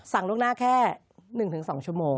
สั่งลูกหน้าแค่๑๒ชั่วโมง